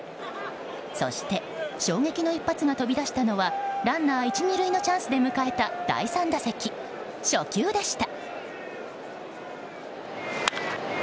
そして、衝撃の一発が飛び出したのがランナー１、２塁のチャンスで迎えた第３打席、初球でした。